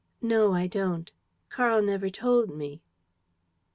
"No, I don't. Karl never told me."